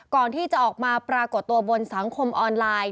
ก่อนที่จะออกมาปรากฏตัวบนสังคมออนไลน์